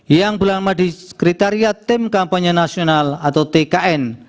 yang berlama di sekretariat tim kampanye nasional atau tkn